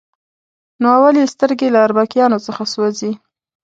نو اول یې سترګې له اربکیانو څخه سوځي.